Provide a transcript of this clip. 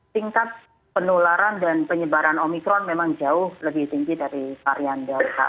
tingkat penularan dan penyebaran omikron memang jauh lebih tinggi dari varian delta